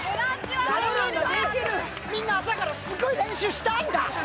みんな朝からすごい練習したんだ！